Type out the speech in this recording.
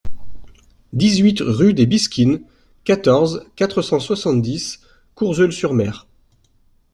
dix-huit rue des Bisquines, quatorze, quatre cent soixante-dix, Courseulles-sur-Mer